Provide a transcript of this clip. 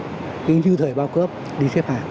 nhưng như thời bao cướp đi xếp hàng